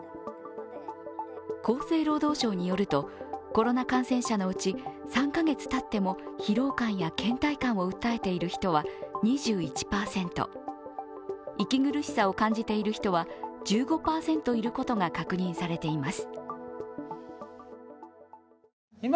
厚生労働省によると、コロナ感染者のうち３カ月たっても疲労感やけん怠感を訴えている人は２１％、息苦しさを感じている人は１５％いることが確認されています。